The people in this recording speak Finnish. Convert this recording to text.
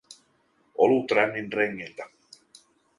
Olutrännin rengiltä.